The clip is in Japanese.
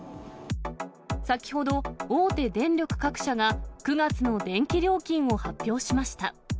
先ほど、大手電力各社が９月の電気料金を発表しました。